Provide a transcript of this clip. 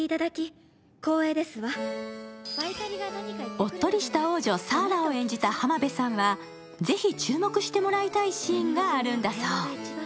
おっとりした王女サーラを演じた浜辺さんはぜひ注目してもらいたいシーンがあるんだそう。